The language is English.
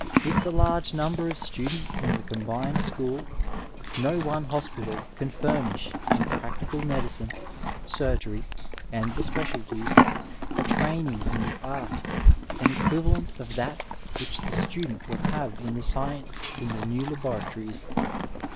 With the large num ber of students in the combined school no one hospital can furnish in practical medicine, surgery and the specialties a training in the art an equivalent of that which the student will have in the science in the new laboratories.